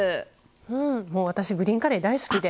私グリーンカレー大好きで。